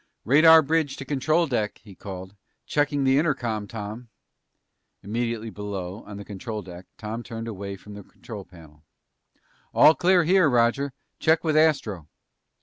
"Radar bridge to control deck," he called. "Checking the intercom, Tom." Immediately below, on the control deck, Tom turned away from the control panel. "All clear here, Roger. Check with Astro."